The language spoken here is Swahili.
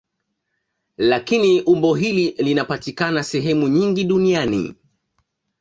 Lakini umbo hili linapatikana sehemu nyingi duniani.